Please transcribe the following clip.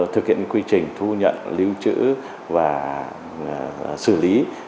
thực hiện quy trình thu nhận lưu trữ và xử lý